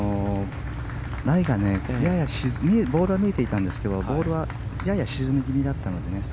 ボールは見えていたんですがボールはやや沈み気味だったので。